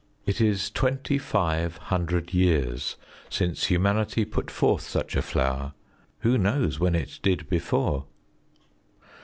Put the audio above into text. It is twenty five hundred years since humanity put forth such a flower: who knows when it did before?